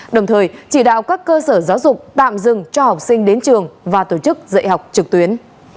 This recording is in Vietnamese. đồng thời chỉ đạo các cơ sở giáo dục tạm dừng cho học sinh đến trường và tổ chức dạy học trực tuyến